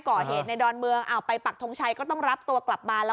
กรเวทในดอนเมืองจะไปปักโทงชัยต้องรับตัวกลับมา